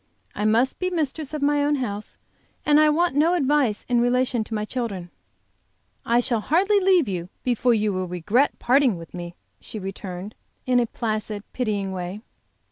I must be mistress of my own house, and I want no advice in relation to my children." "I shall hardly leave you before you will regret parting with me," she returned, in a placid, pitying, way.